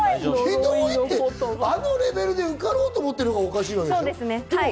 だってあのレベルで受かろうと思ってるのがおかしいわけよ。